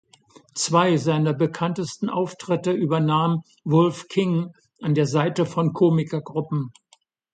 Zwei seiner bekanntesten Auftritte übernahm Woolf King an der Seite von Komikergruppen.